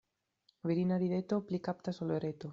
Virina rideto pli kaptas ol reto.